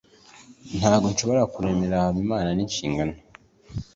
ntabwo nshobora kuremerera habimana n'inshingano